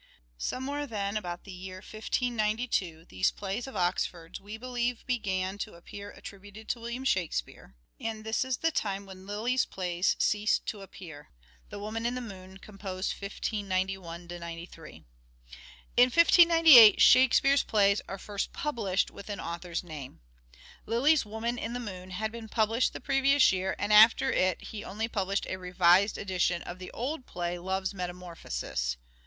Somewhere, then, about the year 1592 these plays of Oxford's we believe began to appear attributed to William Shakspere, and this is the time when Lyly's plays cease to appear (" The Woman in the Moon," composed 1591 3). In 1598 " Shakespeare's" plays are first published with an author's name. Lyly's " Woman in the Moon " had been published the previous year, and after it he only published a revised edition of the old play, " Love's Metamorphosis."